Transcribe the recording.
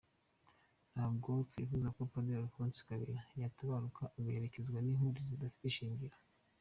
Ntabwo twifuza ko Padiri Alphonse Kabera yatabaruka agaherekezwa n’inkuru zidafite ishingiro.